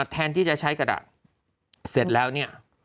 แทนที่จะใช้กระดาษเสร็จแล้วเนี่ย